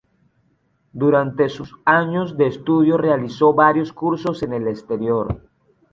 Durante sus años de estudio realizó varios cursos en el exterior.